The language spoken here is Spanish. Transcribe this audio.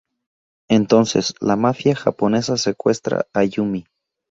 Entonces, la mafia japonesa secuestra a Yumi...